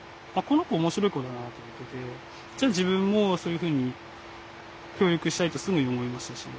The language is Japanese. この子面白い子だなって思っててじゃ自分もそういうふうに協力したいとすぐに思いましたし。